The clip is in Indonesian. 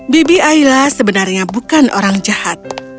bibi aila sebenarnya bukan orang jahat